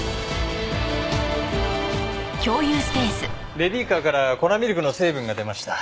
ベビーカーから粉ミルクの成分が出ました。